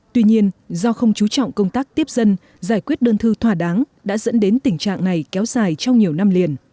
tuy nhiên do không chú trọng công tác tiếp dân giải quyết đơn thư thỏa đáng đã dẫn đến tình trạng này kéo dài trong nhiều năm liền